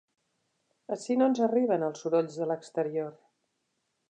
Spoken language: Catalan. Ací no ens arriben els sorolls de l'exterior.